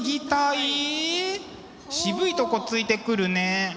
渋いとこついてくるね。